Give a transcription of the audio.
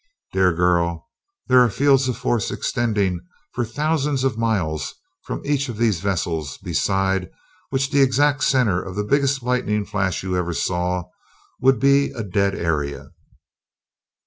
Dear girl, there are fields of force extending for thousands of miles from each of these vessels beside which the exact center of the biggest lightning flash you ever saw would be a dead area!"